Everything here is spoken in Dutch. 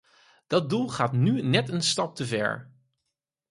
Dat doel gaat nu net een stap te ver.